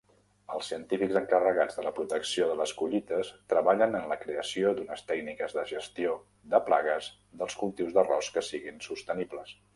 Els científics encarregats de la protecció de les collites treballen en la creació d'unes tècniques de gestió de plagues dels cultius d'arròs que siguin sostenibles.